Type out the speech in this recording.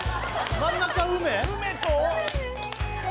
真ん中梅澤？